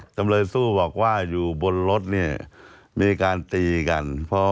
จำเลยสู้บอกว่าอยู่บนรถเนี่ยมีการตีกัน